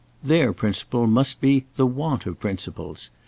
Their principle must be the want of principles.